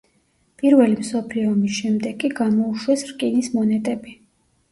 პირველი მსოფლიო ომის შემდეგ კი გამოუშვეს რკინის მონეტები.